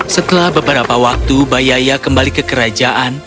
setelah beberapa waktu bayaya kembali ke kerajaan